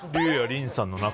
「りんさん」の仲？